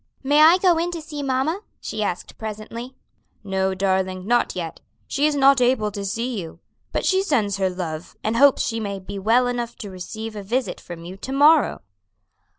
"May I go in to see mamma?" she asked presently. "No, darling, not yet; she is not able to see you; but she sends her love, and hopes she may be well enough to receive a visit from you to morrow."